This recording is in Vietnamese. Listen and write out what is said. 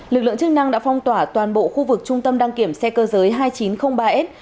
lực lượng chức năng đã phong tỏa toàn bộ khu vực trung tâm đăng kiểm xe cơ giới hai nghìn chín trăm linh ba s